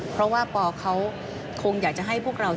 เพราะว่าปเขาคงอยากจะให้พวกเรา